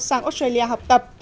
sang australia học tập